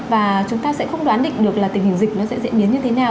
và chúng ta sẽ không đoán định được là tình hình dịch nó sẽ diễn biến như thế nào